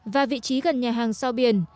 và vị trí gần nhà hàng sau biển